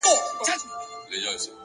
د عمل دوام شخصیت جوړوي’